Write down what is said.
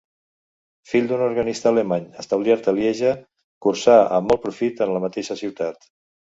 Fill d'un organista alemany establert a Lieja, cursà amb molt profit en la mateixa ciutat.